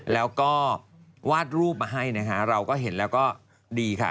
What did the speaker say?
แล้วก็วาดรูปมาให้นะคะเราก็เห็นแล้วก็ดีค่ะ